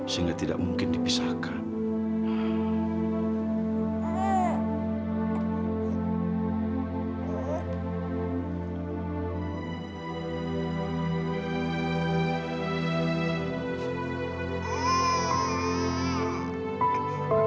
sehingga tidak mungkin dipisahkan